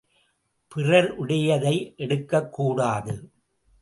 பிறருடையதை எடுக்கக் கூடாது!